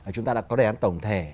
chúng ta đã có đề án tổng thể